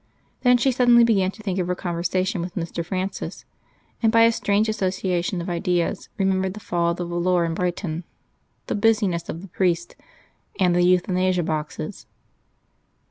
Then she suddenly began to think of her conversation with Mr. Francis; and, by a strange association of ideas, remembered the fall of the volor in Brighton, the busy ness of the priest, and the Euthanasia boxes....